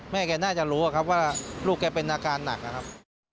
แกน่าจะรู้ครับว่าลูกแกเป็นอาการหนักนะครับ